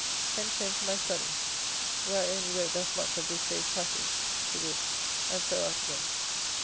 Hence home to my study, where I only wrote thus much of this day's passages to this * and so out again.